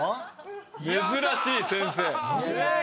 珍しい先生。